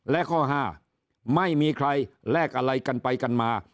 และข้อ๕ไม่มีใครแลกอะไรกันไปกันมา